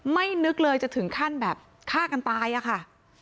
ไม่นึกเลยจะถึงขั้นแบบฆ่ากันตายอะค่ะ